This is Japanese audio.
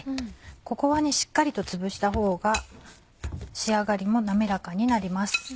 ここはしっかりとつぶしたほうが仕上がりも滑らかになります。